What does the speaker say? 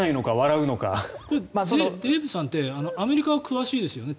デーブさんってアメリカは詳しいですよね。